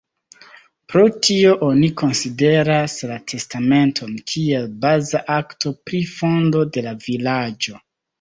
Pro tio oni konsideras la testamenton kiel baza akto pri fondo de la vilaĝo.